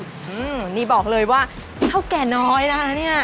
อืมนี่บอกเลยว่าเท่าแก่น้อยนะ